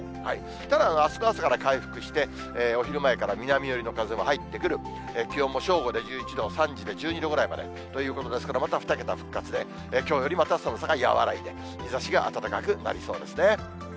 ただ、あすの朝から回復して、お昼前から南寄りの風も入ってくる、気温も正午で１１度、３時で１２度ぐらいまでということですから、また２桁復活で、きょうよりまた寒さが和らいで、日ざしが暖かくなりそうですね。